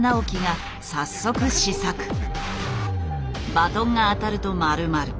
バトンが当たると丸まる。